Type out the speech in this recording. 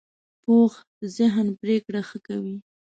پوخ ذهن پرېکړه ښه کوي